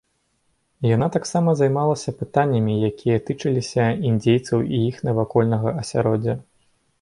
Яна таксама займалася пытаннямі якія тычыліся індзейцаў і іх навакольнага асяроддзя.